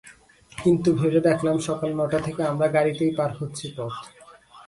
কিন্তু ভেবে দেখলাম, সকাল নটা থেকে আমরা গাড়িতেই পার হচ্ছি পথ।